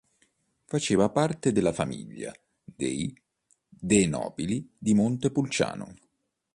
Faceva parte della famiglia dei De Nobili di Montepulciano.